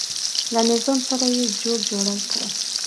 له نظام سره یې جوړ جاړی کړی.